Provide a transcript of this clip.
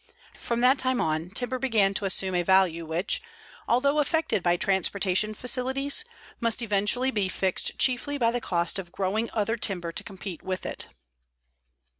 From that time on timber began to assume a value which, although affected by transportation facilities, must eventually be fixed chiefly by the cost of growing other timber to compete with it.